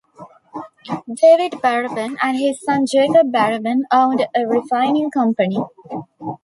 David Baraban and his son Jacob Baraban owned a refining company.